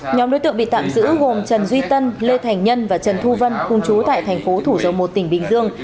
nhóm đối tượng bị tạm giữ gồm trần duy tân lê thành nhân và trần thu vân cùng chú tại thành phố thủ dầu một tỉnh bình dương